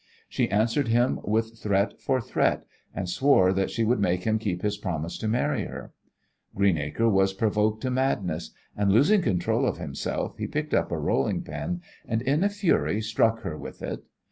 She answered him with threat for threat, and swore that she would make him keep his promise to marry her. Greenacre was provoked to madness, and, losing control of himself, he picked up a rolling pin, and in a fury struck her with it.